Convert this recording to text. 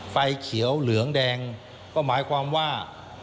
ไฟเขียวเหลืองแดงก็หมายความว่า